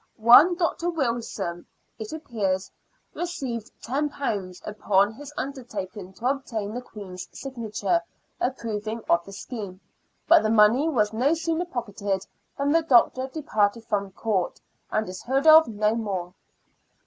One Dr. Wilson,* it appears, received £10 upon his undertaking to obtain the Queen's signature approving of the scheme, but the money was no sooner pocketed than the doctor departed from Court, and is heard of no more.